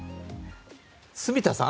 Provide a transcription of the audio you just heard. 住田さん